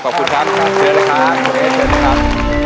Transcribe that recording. ขอบคุณครับเชื่อเลยค่ะคุณเอสเชื่อเลยครับ